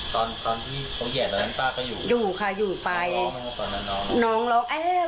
ตอนที่เขาแหย่ตั้งแต่ป้าก็อยู่อยู่ค่ะอยู่ไปน้องร้องตอนนั้นน้อง